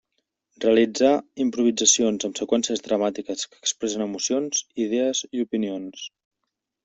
Realitzar improvisacions amb seqüències dramàtiques que expressen emocions, idees i opinions.